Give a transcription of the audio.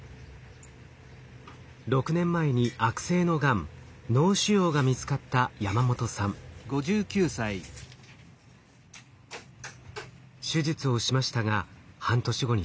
６年前に悪性のがん脳腫瘍が見つかった手術をしましたが半年後に再発。